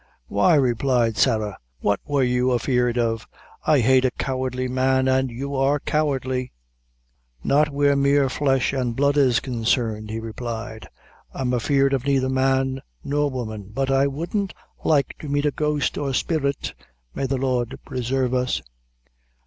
"Why," replied Sarah, "what wor you afeard of? I hate a cowardly man, an' you are cowardly." "Not where mere flesh and blood is consarned," he replied; "I'm afeard of neither man nor woman but I wouldn't like to meet a ghost or spirit, may the Lord presarve us!"